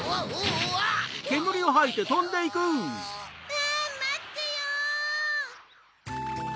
あんまってよ！